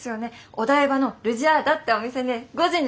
お台場のルジアーダってお店で５時に。